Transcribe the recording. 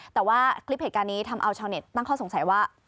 แต่ว่าคลิปเหตุการณ์นี้ทำเอาชาวเน็ตตั้งข้อสงสัยว่า